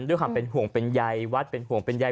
ด้วยความเป็นห่วงเป็นใยวัดเป็นห่วงเป็นใย